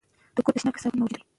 د کور تشناب کې صابون تل موجود وي.